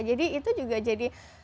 jadi itu juga jadi